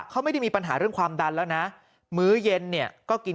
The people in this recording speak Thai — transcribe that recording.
เขาไม่ได้มีปัญหาเรื่องความดันแล้วนะมื้อเย็นเนี่ยก็กิน